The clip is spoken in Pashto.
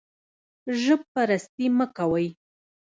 ژب پرستي مه کوئ